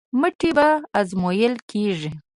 مټې به ازمویل کېږي.